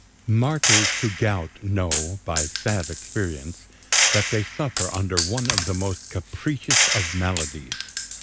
MARTYRS to gout know, by sad experience, that they suffer under one of the most capricious of maladies.